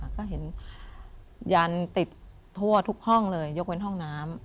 ก็เห็นยันติดทั่วทุกห้องเลยยกเว้นห้องน้ำ